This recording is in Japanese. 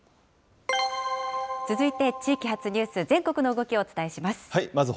続いて地域発ニュース、全国の動きをお伝えします。